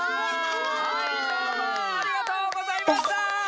はいどうもありがとうございました！